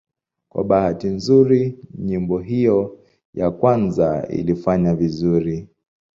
Kwa bahati nzuri nyimbo hiyo ya kwanza ilifanya vizuri.